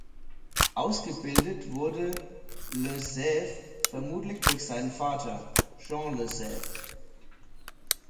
Ausgebildet wurde le Saive vermutlich durch seinen Vater, Jean le Saive.